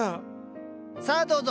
さあどうぞ。